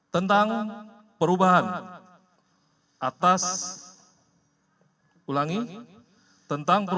tentang perubahan atas undang undang ri